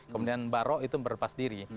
kemudian baro'ah itu melepas diri